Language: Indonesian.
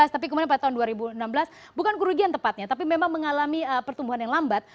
tapi kemudian pada tahun dua ribu enam belas bukan kerugian tepatnya tapi memang mengalami pertumbuhan yang lambat